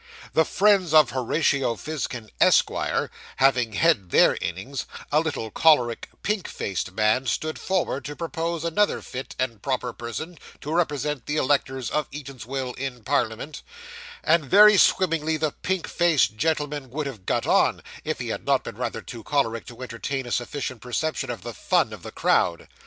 The friends of Horatio Fizkin, Esquire, having had their innings, a little choleric, pink faced man stood forward to propose another fit and proper person to represent the electors of Eatanswill in Parliament; and very swimmingly the pink faced gentleman would have got on, if he had not been rather too choleric to entertain a sufficient perception of the fun of the crowd.